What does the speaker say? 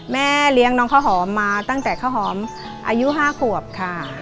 แม่เลี้ยงน้องข้าวหอมมาตั้งแต่ข้าวหอมอายุ๕ขวบค่ะ